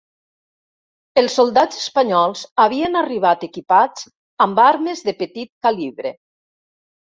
Els soldats espanyols havien arribat equipats amb armes de petit calibre.